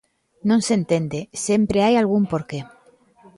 Non se entende, sempre hai algún porqué.